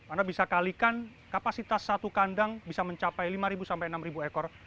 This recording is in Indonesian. anda bisa kalikan kapasitas satu kandang bisa mencapai lima sampai enam ekor